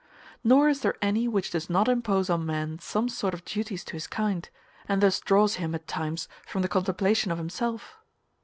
Nor is there any which does not impose on man some sort of duties to his kind, and thus draws him at times from the contemplation of himself.